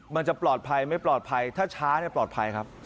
มันจะปลอดภัยไม่ปลอดภัยถ้าช้าปลอดภัยครับ